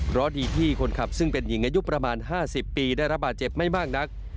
เพราะดีที่คนขับซึ่งเป็นหญิงอายุประมาณ๕๐ปีได้รับบาดเจ็บไม่มากนัก